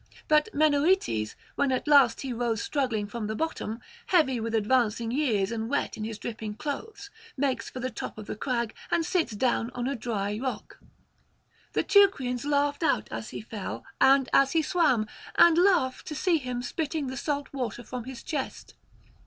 But Menoetes, when at last he rose struggling from the bottom, heavy with advancing years and wet in his dripping clothes, makes for the top of the crag, and sits down on a dry rock. The Teucrians laughed out as he fell and as he swam, and laugh to see him spitting the salt water from his chest.